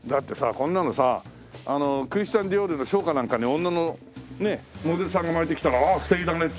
こんなのさクリスチャン・ディオールのショーかなんかに女のモデルさんが巻いてきたらああ素敵だねって。